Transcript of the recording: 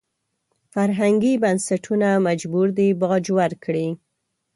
فرهنګي بنسټونه مجبور دي باج ورکړي.